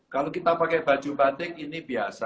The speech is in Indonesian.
kalau kita pakai baju batik ini biasa